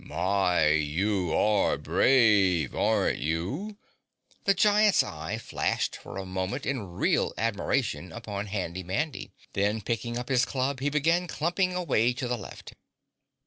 "My, you are brave, aren't you?" The Giant's eye flashed for a moment in real admiration upon Handy Mandy, then, picking up his club, he began clumping away to the left.